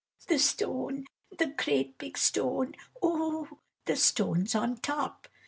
the stone, the great big stone! ooh! the stones on top!"